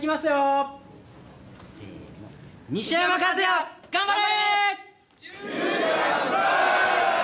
西山和弥、頑張れ！